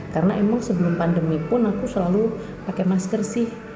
karena emang sebelum pandemi pun aku selalu pakai masker sih